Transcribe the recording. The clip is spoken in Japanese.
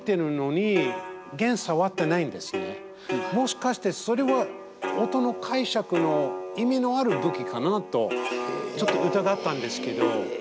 もしかしてそれは音の解釈の意味のある武器かなとちょっと疑ったんですけど。